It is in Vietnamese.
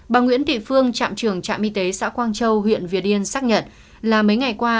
bà nguyễn thị phương trạm trưởng trạm y tế xã quang châu huyện việt yên xác nhận là mấy ngày qua